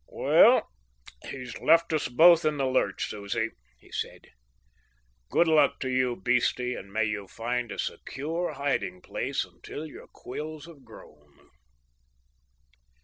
"Well, he's left us both in the lurch, Susie," he said. "Good luck to you, beastie, and may you find a secure hiding place until your quills have grown."